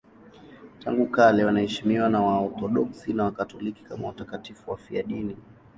Tangu kale wanaheshimiwa na Waorthodoksi na Wakatoliki kama watakatifu wafiadini.